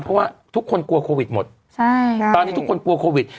เพราะว่าทุกคนกลัวโควิดหมดใช่ค่ะตอนนี้ทุกคนกลัวโควิด